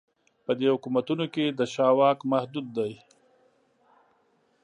په دې حکومتونو کې د شاه واک محدود دی.